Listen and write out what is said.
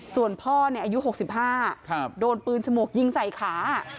ส่วนพ่ออายุ๖๕โดนปืนฉมวกยิงใส่ขา